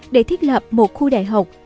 để thiết lập một khu đại học